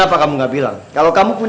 apa harus kacau kan